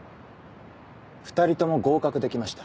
２人とも合格できました。